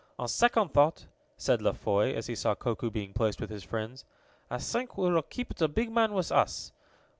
"On second thought," said La Foy, as he saw Koku being placed with his friends, "I think we will keep the big man with us.